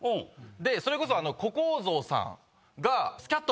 それこそ。